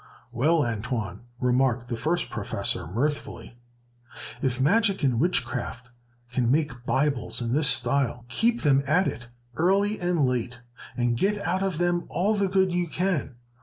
"Well, Antoine," remarked the first professor, mirthfully, "if magic and witchcraft can make Bibles in this style, keep them at it early and late, and get out of them all the good you can.